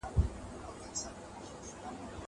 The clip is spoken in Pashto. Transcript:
زمایقین دی چې ته هرڅه وینې